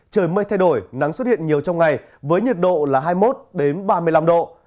trời mây thay đổi nắng xuất hiện nhiều trong ngày với nhiệt độ là hai mươi một ba mươi năm độ